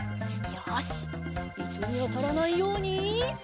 よしいとにあたらないように。